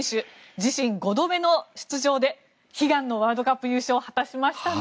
自身５度目の出場で悲願のワールドカップ優勝を果たしましたね。